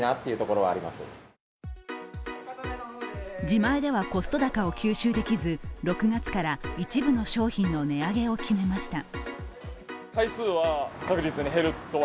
自前ではコスト高を吸収できず６月から一部の商品の値上げを決めました。